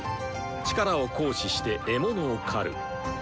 力を行使して獲物を狩る。